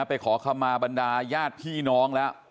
ไปขอคำมาบัณฑายาดพี่น้องแล้ว